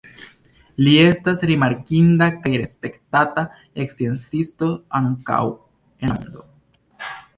Li estas rimarkinda kaj respektata sciencisto ankaŭ en la mondo.